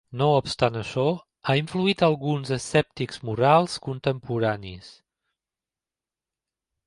No obstant això, ha influït alguns escèptics morals contemporanis.